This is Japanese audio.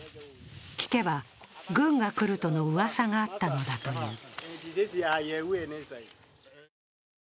聞けば、軍が来るとのうわさがあったのだという。